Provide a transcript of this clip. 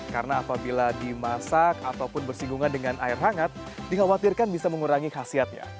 karena apabila dimasak ataupun bersinggungan dengan air hangat dikhawatirkan bisa mengurangi khasiatnya